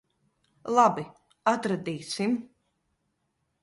Labi. Atradīsim.